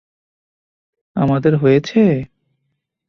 আমাদের হয়েছে?